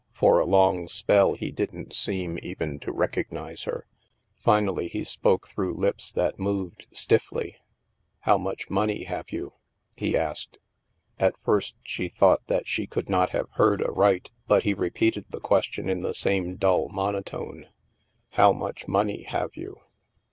For a long spell, he didn't seem even to recognize her. Finally he spoke through lips that moved stiffly. " How much money have you ?" he asked. At first she thought that she could not have heard aright, but he repeated the question in the same dull monotone :" How much money have you?''